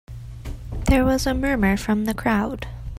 There was a murmur from the crowd.